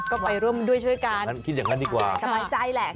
ก็ไปร่วมด้วยช่วยกันคิดอย่างนั้นดีกว่าสบายใจแหละ